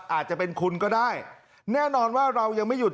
อาจจะเป็นคุณก็ได้แน่นอนว่าเรายังไม่หยุด